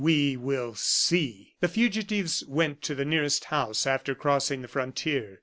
We will see." The fugitives went to the nearest house after crossing the frontier.